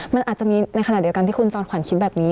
มันอาจจะมีในขณะเดียวกันที่คุณจอมขวัญคิดแบบนี้